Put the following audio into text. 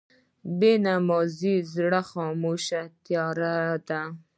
بېنمازه زړه خاموشه تیاره ده.